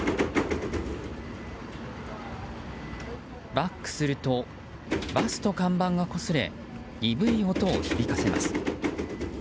バックするとバスと看板がこすれ鈍い音を響かせます。